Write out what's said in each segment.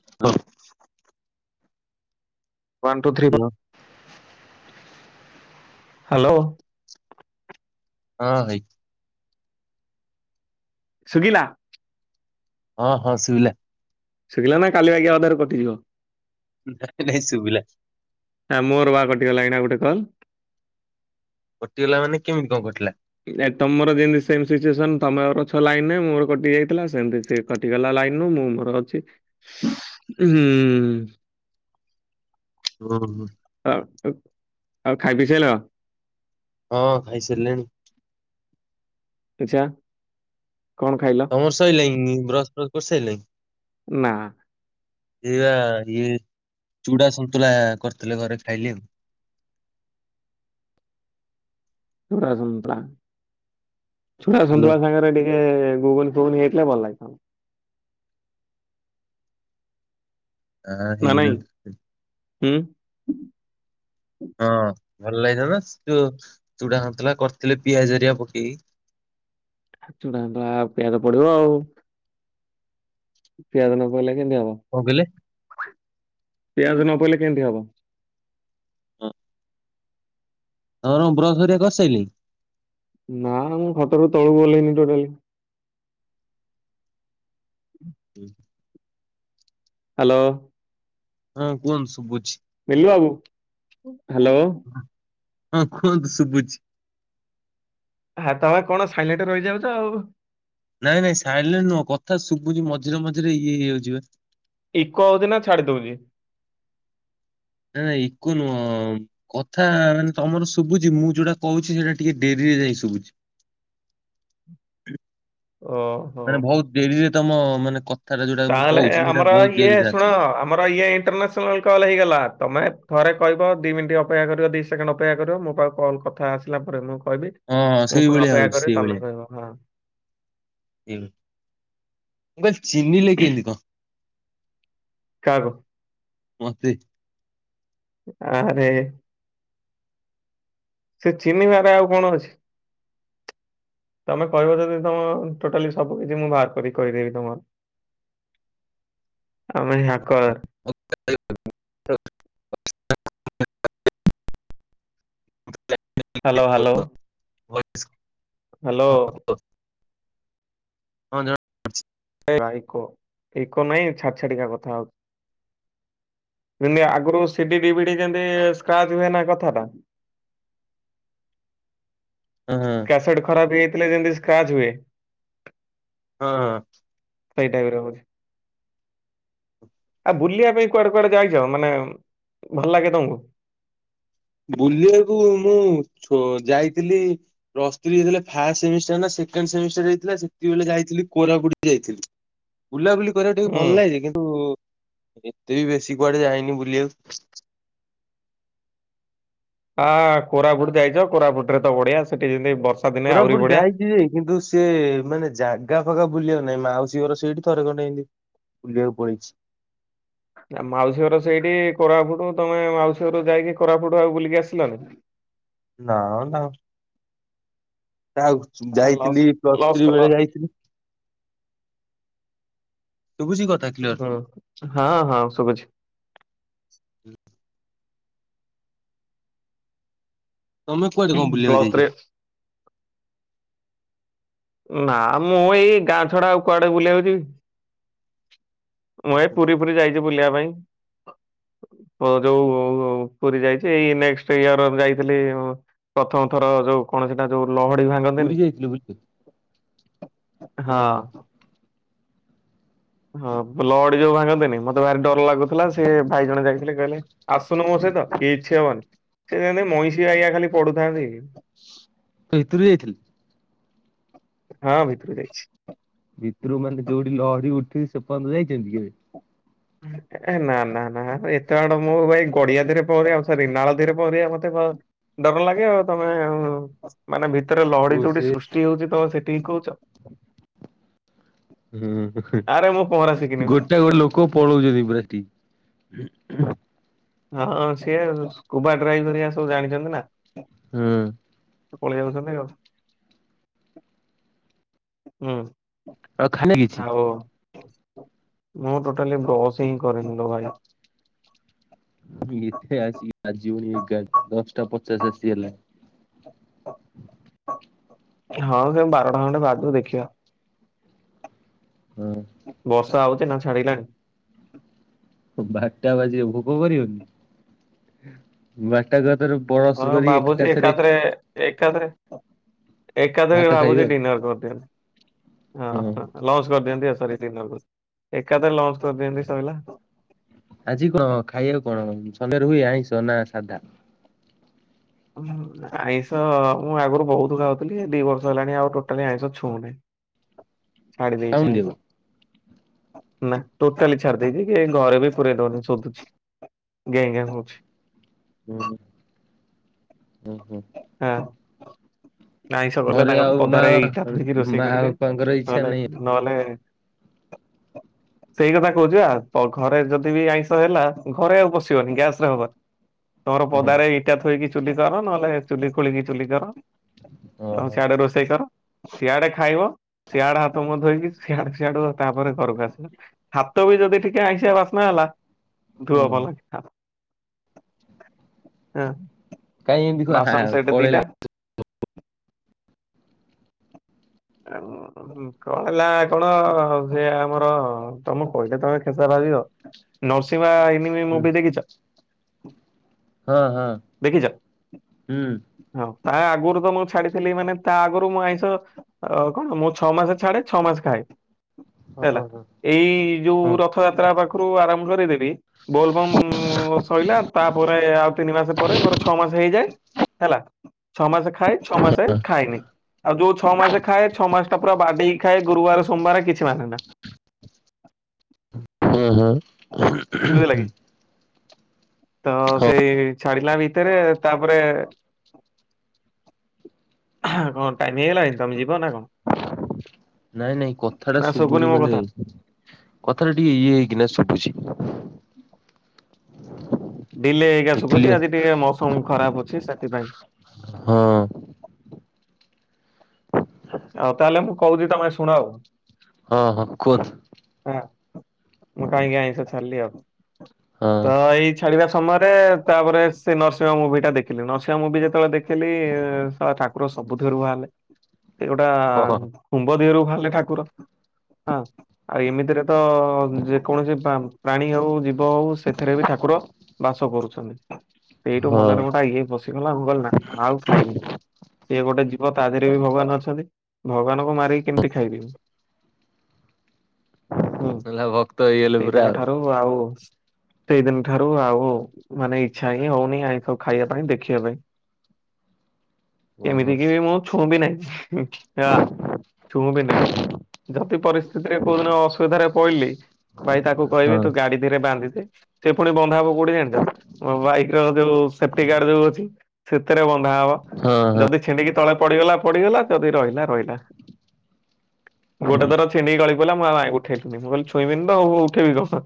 [unintelligible] One two three four hello hello. ହଁ ଭାଇ। ସୁଗିଲା। ହଁ ହଁ ଶୁବିଲା। ଶୁବିଲା ନା କାଲି ବାଗିଆ ଅଧାରୁ କଟିଯିବ। ନାଇ ନାଇଁ ଶୁଭିଲା। ଆଃ ମୋର ବା କଟି ଗଲା ଏଇନା ଗୋଟେ କଲ୍। କଟିଗଲା ମାନେ କେମିତି କଣ କଟିଲା? ଆ ତମର ଯେମିତି ସେମ ସିଚୁଏସନ ତମର ଅଛ ଲାଇନ ନେ ମୋର କଟି ଯାଇଥିଲା ସେମିତି। କଟିଗଲା ଲାଇନୁ ମୁଁ ମୋର ଅଛି ହୁଁ। ଓହୋ। ଆଉ ଖାଇ ପିଇ ସାଇଲା। ହଁ ଖାଇ ସାରିଲିଣି। ଆଛା କଣ ଖାଇଲ? ତମର ସଇଲାଣି ବ୍ରସ ଫ୍ରାସ କରି ସାଇଲଣି? ନା। ଏଇଆ ଇଏ ଚୁଡା ସନ୍ତୁଳା କରିଥିଲେ ଘରେ ଖାଇଲେ ଆଉ। ଚୁଡ଼ା ସନ୍ତୁଳା ଚୁଡ଼ା ହ୍ୟାଲୋ ସୁନ୍ତୁଳା ସାଙ୍ଗ ରେ ଡେ ଗୁଗଲ ଫୁଗଲ ହେଇଥିଲେ ଭଲ ହେଇଥାନ୍ତା। ହଁ ନା ନାଇଁ ହେଇନଥିଲା ହୁଁ। ହଁ ଭଲ ଲାଗିଥାନ୍ତା ସେ ଚୁଡ଼ା ସନ୍ତୁଳା କରିଥିଲେ ପିଆଜହେରିକା ପକେଇକି। ଚୁଡ଼ା ସନ୍ତୁଳା ପିଆଜ ପଡ଼ିବ ଆଉ। ପିଆଜ ନପଇଲେ କେମତି ହବ? କଣ କହିଲେ? ପିଆଜ ନ ପଇଲେ କେମତି ହବ? ହଁ। ହଁର ମୁ ବ୍ରଆ କସେଇଲିି। ନା ମୁଁ ଖଟ ର ତଳୁକୁ ଓଲ୍ହେଇଁବିନି ଟୋଟାଲି। ହୁଁ। ହ୍ୟାଲୋ ହଁ କୁହନ୍ତୁ ଶୁଭୁଛି। ମିିଲୁ ବାବୁ। ହଁ କୁହନ୍ତୁ ଶୁଭୁଛି। ହଁ ତମେ କଣ ସାଇଲେଟରେ ରହିଯାଉଛ ଆଉ। ନାଇଁ ନାଇଁ ସାଇଲେଣ୍ଟ ନୁହଁ କଥା ଶୁଭୁଛିି ମଝିରେ ମଝିରେ ଇଏ ହେଇଯାଉଛିିବ। ଇକ ହଉଛି ନା ଛାଡ଼ି ଦଉଛି। ନା ନା ଇକୋନୁହଁ। କଥା ମାନେ ତମର ଶୁଭୁଛି ମୁଁ ଯୋଉଟା କହୁଛି ସେଇଟା ଟିକେ ଡେରି ରେ ଯାଇ ଶୁଭୁଛି। ଓ। ମାନେ ବହୁତ ଡେରିରେ ତମ ମାନେ କ ତାହେଲେ ଆମର ଇଏ ଶୁଣ ଆସୁଛି। ଆମର ଇଏ ଇଣ୍ଟରନେଶ୍ [unintelligible] ତମେ ଥରେ କହିବ ଦି ମିନିଟ୍ ଅପେକ୍ଷା କରିବ ଦିଇ ସେକେଣ୍ଡ ଅପେକ୍ଷା କରିବ ମୋ ପାଖକୁ କଲ୍ କ ଥା ଆସିଲା ପରେ ମୁଁ କହିବି ହଁ ହଁ ମୁଁ ପୁଣି ସେଇଭଳିଆ ଅପେକ୍ଷା ହଉଛି କରିବୀ ତମେ କହିବ ହଁ। ହୁଁ ମୁଁ କହିଲି ଚିହ୍ନିଲେ କେମିତି? କାହାକୁ? ମତେ। ଆରେ ସେ ଚିନିବାରେ ଆଉ କଣ ଅଛି? ତମେ କହିବ ଯଦି ତମ ଟୋଟାଲି ସବୁ କିଛି ମୁଁ ବାହାର କରିକି କହିଦେବି ତମର [inaudible] ଆମ ଏ ହାକର। [unintelligible] Hello hello. ଭଏସ୍ ହ୍ୟାଲୋ ଜଣ [unintelligible] ଇକୋ ନାଇଁ ଛାଡ଼ି ଛାଡ଼ି କା କଥା ହଉଛି। ଦିନେ ଆଗରୁ C D, D V D ଯେମିତି ସ୍କ୍ରାଚ ହୁଏ ନା କଥାଟା। ହଁ ହଁ। ସାଇଡ ଖରାପହେଇଯାଇଥିଲେ ଯେମିତି ସ୍କ୍ରାଚ ହୁଏ। ହଁ ହଁ। ସେଇ ଡାଇପ୍ ର ହଉଛି। ଆଉ ବୁଲିବା ପାଇଁ କୁଆଡ଼େ କୁଆଡ଼େ ଯାଇଛ ମାନେ ଭଲ ଲାଗେ ତମକୁ? ବୁଲିବାକୁ ମୁଁ ଛୁ ଯାଇଥିଲି ପ୍ଲସ ଥ୍ରି ଯେତେବେଳେ ଫାଷ୍ଟ ସେମିଷ୍ଟାର ନା ସେକେଣ୍ଡ ସେମିଷ୍ଟାର ହେଇଥିଲା ସେତିକ ବେଳେ ଯାଇଥିଲି କୋରାପୁଟ ଯାଇଥିଲି। ବୁଲାବୁଲି କରିବା ଟିକେ ହୁଁ ଭଲ ଲାଗେ କିନ୍ତୁ ଏତେ ବି ବେଶୀ କୁଆଡେ଼ ଯାଇନି ବୁଲିବାକୁ। ଆ କୋରାପୁଟ ଯାଇଛ କୋରାପୁଟରେ ତ ବଢ଼ିଆ ସେଠି ଯେମିତି ବର୍ଷା ଦିନେ ଆହୁରି କୋରାପୁଟ ବଢିଆ। ଯାଇକି କିରେ କିନ୍ତୁ ସିଏ ମାନେ ଜାଗା ଫାଗା ବୁଲିବାକୁ ନାଇଁ ମାଉସୀ ଘର ସେଇଠି ଥରେ ଖଣ୍ଡେ ହେନ୍ତି ବୁଲିବାକୁ ପଳେଇଛି। ନା ମାଉସୀ ଘର ସେଇଠି କୋରାପୁଟୁ ତମେ ମାଉସୀରୁ ଯାଇକି କୋରାପୁଟୁ ଆଉ ବୁଲିକି ଆସିଲାନି। ନା ନା। ତାଉ ଆ ଲସ୍ ଯାଇଥିଲି ପ୍ଲସ୍ ଲସ୍ ଥ୍ରୀ କଲ ବେଳେ ଯାଇଥିଲି। ଶୁବୁଚି କଥ ହୁଁ ହଁ ହଁ ଶୁଭୁଛି। ତମେ କୁଆଡେ କଣ ବୁଲିବାକୁ ପ୍ଲସ ଥ୍ରୀ ଯାଇଛ? ନା ମୁଁ ଏଇ ଗାଁ ଛଡା ଆଉ କୁଆଡେ ବୁଲିବାକୁ ଯିବି? ମୁଁ ଏଇ ପୁରୀ ଫୁରୀ ଯାଇଛି ବୁଲିବା ପାଇଁ। ପ ଯୋଉ ଉଁ ପୁରୀ ଯାଇଛି ଏଇ ନେକ୍ସଟ ଇୟର ଯାଇଥିଲି। ଉଁ ପ୍ରଥମଥର ଯୋଉ କଣ ସେଟା ଯୋଉ ଲହଡି ଭାଙ୍ଗନ୍ତିନି। [unintelligible] ହଁ। ହଁ ବ୍ଲଡି ଯୋଉ ଭାଙ୍ଗନ୍ତିନି ମତେ ଭାରି ଡର ଲାଗୁଥିଲା ସିଏ ଭାଇ ଜଣ ଯାଇଥିଲେ କହିଲେ ଆସୁନୁ ମୋ ସହିତ କିଛି ହବନି ସେ ଯେମିତି ମଇଁଷି ଆୟା ଖାଲି ପଢୁଥାନ୍ତି। ତା ଭିତରୁ ଯାଇଥିଲି। ହଁ ଭିତରୁ ଯାଇଛି। ଭିତରୁ ମାନେ ଯୋଉଠି ଲହରୀ ଉଠୁଛି ସେ ପର୍ଯ୍ୟନ୍ତ ଯାଇଛନ୍ତି କେବେ? ନା ନା ନା ଏତେ ଆଡ ମୁଁ ଭାଇ ଗଡିଆ ଧରେ ପହରିବା [unintelligible] ଧୀରେ ପହିବା ମତେ ଡର ଲାଗେ ଆଉ ତମେ ଆ ମାନେ ଭିତରେ ଓ ଲହଡି ସେ ଯୋଉଠି ସୃଷ୍ଟି ହଉଛି ତମେ ସେଠିିକିଁ କହୁଛ। ହୁଁ ଆରେ ମୁଁ ପହଁରା ଶିଖିନି ବା ଗୋଟେ ଗୋଟେ ଲୋକ ପଳଉଛନ୍ତି ପୁରା ହେଠିକି ହଁ ସିଏ ସ୍କୁବା ଡ୍ରାଇଭରିୟା ସବୁ ଜାଣିଛନ୍ତି ନା। ହଁ। ପଳେଇ ଯାଉଛନ୍ତି ଆଉ। ହୁଁ, ଆଉ ଖାଇନା କିଛି ଆଉ ମୁଁ ଟୋଟାଲି ବସ୍ ହିଁ କରି [unintelligible] ଭାଇ ମୁଁ [unintelligible] ଏଥେ ଆସିକି ଆଜିି ବୋଲି ଏଗାର ଦଶଟା ପଚାଶ ଆସିଗଲାଣି। ହଁ ସେ ବାରଟା ଖଣ୍ଡେ ବାଜୁ ଦେଖିବା। ହଁ। ବର୍ଷା ହଉଛି ନା ଛାଡିଲାଣି? ବାରଟା ବାଜିବ ଭୋକ କରିବନି? ବାଟ ଘାଟରେ ବସ୍ ହଁ କରି ଭାବୁଛି ଏକାଥରେ ଏକାଥରେ ଏକାଥରେ ଭାତ ଖାଇବେ ଭାବୁଛି ଆଉ। ଡିନର କରିଦିଅନ୍ତି ହଁ ହୁଁ ହ। ଲଞ୍ଚ କରିଦିଅନ୍ତି ଆ ସରି ଡିନିର କହିଦେଲି ଏକାଥରେ ଲଞ୍ଚ କରିଦିଅନ୍ତି ସରିଲା। ଆଜି କଣ ଖାଇବାକୁ କଣ ସନ୍ଧ୍ୟାରେ ହୁଏ ଆଇଁଷ ନା ସାଧା? ଓୁ। ଆଇଁଷ ମୁଁ ଆଗରୁ ବହୁତ ଖାଉଥିଲି ଦି ବର୍ଷ ହେଲାଣି ଆଉ ଟୋଟାଲି ଆଇଁଷ ଛୁଉନି। ଛାଡ଼ି ଦେଇଚି ଖାଉନି ଆଉ ଆଇଁଷ। ନା ଟୋଟାଲି ଛାଡି ଦେଇଛି କି ଘରେ ବି ପୁରେଇ ଦେଉନି ଶୋଧୁଛି। ଜ୍ଞେ ଜ୍ଞେ ହଉଛି। ହୁଁ ହଁ ହୁଁ ହୁଁ। ହଁ। ଆାଇଁଷ ଗଲେ ଘରେ ତାଙ୍କର ଆଉ ମା ପଦାରେ ବାପା ଇଟା ଥୋଇକି ରୋଷେଇ ମା କରିବେ। ବାପାଙ୍କର ଇଚ୍ଛା ନହେଲେ ନାହିଁ ନହେଲେ ସେଇ କଥା କହୁଛି ଆଉ ଘରେ ଯଦି ବି ଆଇଁଷ ହେଲା ଘରେ ଆଉ ପସିବନି, ଗ୍ୟାସ ରେ ହବ ତମର ଓହୋ ପଦାରେ ଇଟା ଥୋଇକି ଚୁଲି କର ନହେଲେ ଚୁଲି ଖୋଳିକି ଚୁଲି କର। ଆଉ ଓହୋ। ସିଆଡେ ରୋଷେଇ କର। ସିଆଡେ ଖାଇବ ସିଆଡେ ହାତ ମୁଁ ଧୋଇକି ସିଆଡୁ ସିଆଡୁ ତାପରେ ଘରକୁ ଆସିବ। ହାତ ବି ଯଦି ଟିକେ ଆଇଁସିଆ ବାସ୍ନା ହେଲା। ହୁଁ ଧୁଅ ଭଲକି ହଁ। କାଇହିଁ ଏମିତି ବାସନ କରହଉ ସେଟ ପଳେଇଲା। ଦିଟା ଆଉ [inaudible] କଣ ହେଲା କଣ ସେ ଆମର ତମୁକୁ କହିଲେ ତମେ କେବେ ବାହାରିବ। ନରସିମା ଏନିମି ମୁଭି ଦେଖିଛ। ଦେଖିଛ? ହଁ-ହଁ-ହୁଁ। ହଁ ତା ଆଗରୁ ତ ମୁଁ ଛାଡିଥିଲି ମାନେ ତା ଆଗରୁ ମୁଁ ଆଇଁଷ ଆଉ କଣ ମୁଁ ଛଅ ମାସ ଛାଡେ ଛଅ ମାସ ଖାଏ। ହେଲା ହଁ ହଁ ଏଇ ଯୋଉ ହଁ ରଥ ଯାତ୍ରା ପାଖରୁ ଆରମ୍ଭ କରିଦେବି ବୋଲ ବମ୍ ସରିଲା ତାପରେ ଆଉ ତିନି ମାସ ପରେ ମୋର ଛଅ ମାସ ହେଇଯାଏ। ହେଲା ଛଅ ମାସେ ଖାଏ ଛଅ ମାସେ ଖାଏନି ଆଉ ଯୋଉ ଛଅ ମାସେ ଖାଏ ଛଅ ମାସ ଟା ପୁର ବାଡେଇକି ଖାଏ ଗୁରୁବାର ସୋମବାର କିଛି ମାନେ ନା। ହୁଁ ବୁଝିଲା କି। ହୁଁ। ତ ସେଇ ଛା ହେଲା ଭିତରେ ତାପରେ କଣ ଟାଇମ ହେଇଗଲାଣି। ତମେ ଯିବ ନା କଣ। ନାଇଁ ନାଇଁ କଥା ଟା ନା ଶୁଭୁନି ଶବୁନି ମୋ ମାନେ କଥା? କଥା ଟା ଟିକେ ଇଏ ହେଇକିନା ସୁବୁଛି। ଡିଲେ ହେଇକା କ୍ଲିୟର ଶୁବୁଛି ଆଜି ଟିକେ ମୌସମ ଖରାପ ଅଛି ସେଥିପାଇଁ। ହଁ। ଆଉ ତାହେଲେ ମୁଁ କହୁଛିି ତମେ ଶୁଣ ଆଉ। ହଁ ହଁ କୁହନ୍ତୁ। ହଁ ମୁଁ କାହିଁକି ଆଇଁଷ ଛାଡିଲି ଆଉ ତ ହଁ ଏଇ ଛାଡ଼ିବା ସମୟରେ ତା ପରେ ସେ ନରସିଂହ ମୁଭିଟା ଦେଖିଲି ନରସିଂହ ମୁଭି ଯେତେବେଳେ ଦେଖିଲି ଶଳା ଠାକୁ ଠାକୁର ସବୁ ଧାରୁଆ ଆମେ। ସେଉ ଗୋଟା ହଁ କୁମ୍ଭ ଦେହରୁ ବାହାରିଲେ ଠାକୁର ହଁ ଆଉ ଏମିତିରେ ତ ତ ଯେକୌଣସି ପ୍ରାଣୀ ଆଉ ଜୀ ହଉ ସେଥିରେ ବି ଠାକୁର ବାସ କରୁଛନ୍ତି ଏଇଠୁ ହଁ। ମନରେ ଗୋଟା ଇଏ ପ ପଶିଗଲା ମୁଁ କହିଲି ନା ଆଉ ଖାଇବିନି। ସିଏ ଗୋଟେ ଜୀବ ତା ଦେହରେ ବି ଭଗବାନ ଅଛନ୍ତି ଭଗବାନଙ୍କୁ ମାରିକି କେମିତି ଖାଇବି। ହେଲା ଭକ୍ତ ହେଇଗଲେ ପୁରା ଆଉ। ହଁ ଆଉ। ସେଇଦିନ ଠାରୁ ଆଉ ମାନେ ଇଚ୍ଛା ହିଁ ହଉନି ଆଇଁଷ ଖାଇବା ପାଇଁ ଦେଖିବା ପାଇଁ। ଓହୋ। ଏମିତି କି ବି ମୁଁ ଛୁଁ ବି ନାହିଁ। ଛୁଁ ବିି ନାହିଁ ଯଦି ପରିସ୍ଥି କୋଉ ଦିନ ଅସୁବିଧାରେ ପଇଲି ଭାଇ ତାକୁ କହିବି ହଁ। ତୁ ଗାଡି ଧୀରେ ବାନ୍ଧିଦେ ସେ ପୁଣି ବନ୍ଧା ହବ କୋଉଠି ଜାଣିଛ ମୋ ବାଇକ ର ଯୋଉ ସେଫ୍ଟି ଗାର୍ଡ଼ ଯୋଉ ସେଥିରେ ବନ୍ଧା ହବ। ହଁ ହଁ ଯଦି ଛିଣ୍ଡିକି ତଳେ ପଡିଗଲା ପଡିଗଲା ଯଦି ରହିଲା ରହିଲା। ଗୋଟେ ଥର ଛିଣ୍ଡିକି ଗଳି ପଇଲା ମୁଁ ଆଉ ଆଁ ଉଠେଇଲିନି ମୁଁ କହିଲି ଛୁଇଁବିନି ତ ଉଠେଇବି କଣ।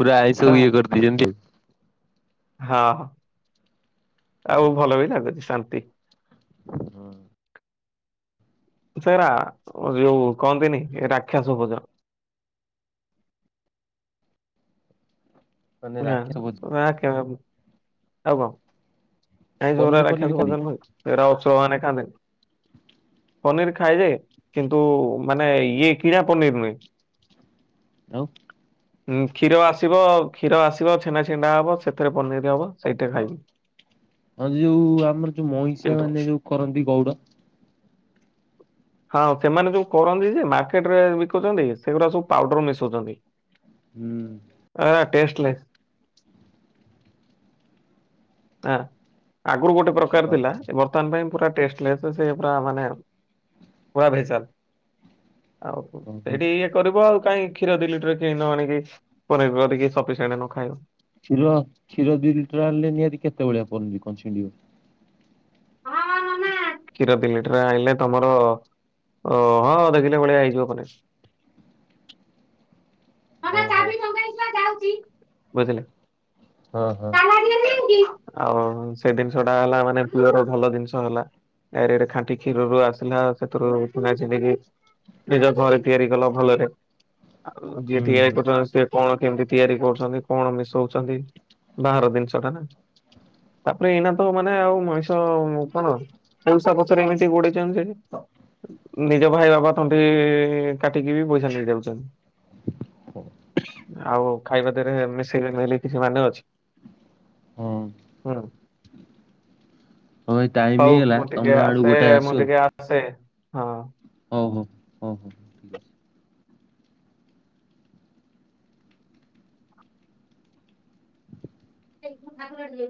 ପୁରା ଆଇଁସ ସବୁ ହଁ ଇଏ କରିଦେଇଛନ୍ତି ଆଉ। ହଁ। ଆଉ ଭଲ ବି ଲାଗୁଛି ଶାନ୍ତି। ହୁଁ। ସେରା ଯୋଉ କହନ୍ତିନି ରାକ୍ଷସ ଭୋଜନ। ମାନେ [inaudible] ରାକ୍ଷସ ଭୋଜି ଆଉ କଁ ଆଇଁଷ ଗୁରା ପନିର ଫନିର ରାକ୍ଷସ ଖାଆନ୍ତି ଭୋଜନ ନୁହେଁ କି। ଅସୁର ମାନେ ଖାଆନ୍ତିନି। ପନିର୍ ଖାଏ ଯେ କିନ୍ତୁ ମାନେ ଇଏ କିଣା ପନିର୍ ନୁହେଁ। ଆଉ? ଉଁ କ୍ଷୀର ଆସିବ କ୍ଷୀର ଆସିବ ଛେନା ଛିଣ୍ଡା ହବ ସେଥିରେ ପନିର ହବ ସେଇଟା ଖାଇବୁ। ହଁ ଯୋଉ ଆମର ଯୋଉ ମଇଁଷିଆ କିନ୍ତୁ ମାନେ ଯୋଉ କରନ୍ତି ଗୋଉଡ। ହଁ ସେମାନେ ଯୋଉ କରନ୍ତି ଯେ ମାର୍କେଟ ରେ ବିକୁଚନ୍ତି ସେଗୁରା ସବୁ ପାଉଡର ମିଶୋଉଚନ୍ତି। ହୁଁ। ଆଁ। ଟେଷ୍ଟ ଲେସ୍ ଆଁ ଆଗରୁ ଗୋଟେ ପ୍ରକାର ଓହୋ ଥିଲା ବର୍ତ୍ତମାନ ପାଇଁ ପୁରା ଟେଷ୍ଟଲେସ୍ ସେ ପୁରା ମାନେ ପୁରା ଭେଜାଲ। ଆଉ ସେଇଠି ଇଏ କରିବ କାଇଁ କ୍ଷୀର ଦି ଲିଟର କିଣି ନ ଆଣିିକି ଘରେ କରିକି ସଫିସିଏଣ୍ଟ ନଖାଇବୁ। କ୍ଷୀର କ୍ଷୀର ଦି ଲିଟର୍ ଆଣିଲେ ନିହାତି କେତେ ବଡିଆ ପନିର୍ କଁ ଛିଣ୍ଡିିବ। କ୍ଷୀର ଦି ଲିଟର ଆଣିଲେ ତମର ଓ ହଁ ଅଧକିଲ ଭଳିଆ ହେଇଯିବ ପନିର୍। ଓହୋ ବୋଇଥିଲେ ହଁ ହଁ। ଆଉ ସେଇ ଦିନ୍ଷ ଟା ହେଲା ମାନେ ପିଓର ଭଲ ଦିନ୍ଷ ହେଲା ଏରିଆଡେ ଖାଣ୍ଟି କ୍ଷୀର ରୁ ଆସିଲା ସେଥୁରୁ ଛେନା ଛିଣ୍ଡିକି ନିଜ ଘରେ ତିଆରି କଲ ଭଲରେ ଆଉ ଯିଏ ହୁଁ ତିଆରି ହୁଁ। କରୁଚନ୍ତି ସିଏ କଣ କେମିତି ତିଆରି କରୁଛନ୍ତି କଣ ମିଶୋଉଚନ୍ତି ବାହାର ଜିନ୍ଷ ଟା ନା। ତାପରେ ଏଇନା ତ ମାନେ ଆଉ ମଣିଷ କଣ ପଇସା ପଛରେ ଏମିତି ପଡିଚନ୍ତି ଯେ ନିଜ ଭାଇ ବାବା ତଣ୍ଟି କାଟିକି ବି ପଇସା ନେଇଯାଉଛନ୍ତି। ଖୁଁ ଆଉ ଖାଇବା ଦେହେରେ ମିଶେଇବେନି ବୋଲି କିଛି ମାନେ ଅଛି ହଁ ହୁଁ। ହଉ ଭାଇ ଟାଇମ ହୋଉ ହେଇଗଲା ମୁଁ ତମ ଟିକେ ଆଡୁ ଆସେ ଗୋଟାଏ ମୁଁ ଟିକେ ଆସେ ହଁ। ହୋଉ ହୋଉ ହୋଉ। ସେଇଠୁ ଭାଗୁରଟିଏ